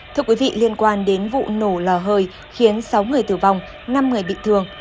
thưa quý vị liên quan đến vụ nổ lò hơi khiến sáu người tử vong năm người bị thương